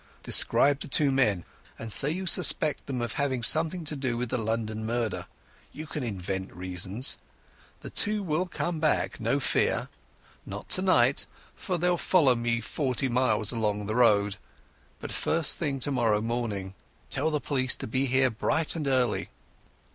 Describe the two men, and say you suspect them of having had something to do with the London murder. You can invent reasons. The two will come back, never fear. Not tonight, for they'll follow me forty miles along the road, but first thing tomorrow morning. Tell the police to be here bright and early."